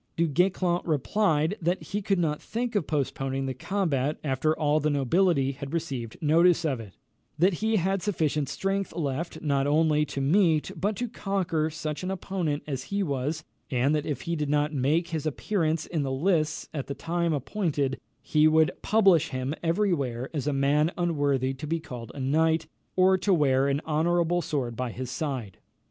Du Guesclin replied, that he could not think of postponing the combat after all the nobility had received notice of it; that he had sufficient strength left not only to meet, but to conquer such an opponent as he was; and that if he did not make his appearance in the lists at the time appointed, he would publish him every where as a man unworthy to be called a knight, or to wear an honourable sword by his side.